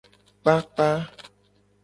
Kpakpa.